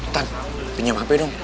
tan pinjam hp dong